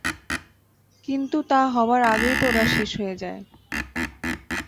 কিন্তু তা হবার আগেই তো ওরা শেষ হয়ে যায়।